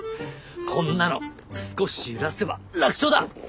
こんなの少し揺らせば楽勝だ。